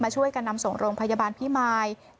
ช่วยกันนำส่งโรงพยาบาลพิมาย